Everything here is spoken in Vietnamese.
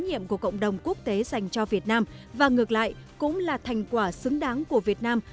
trách nhiệm của cộng đồng quốc tế dành cho việt nam và ngược lại cũng là thành quả xứng đáng của việt nam